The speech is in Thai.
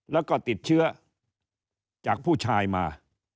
แล้วก็ติดเชื้อจากผู้ชายมา